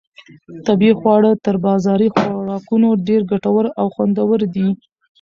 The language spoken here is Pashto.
طبیعي خواړه تر بازاري خوراکونو ډېر ګټور او خوندور دي.